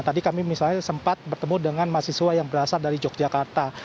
tadi kami misalnya sempat bertemu dengan mahasiswa yang berasal dari yogyakarta